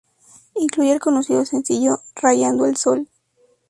Incluye el conocido sencillo "Rayando el sol".